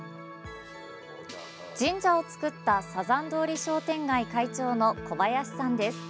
神社を作ったサザン通り商店街会長の小林さんです。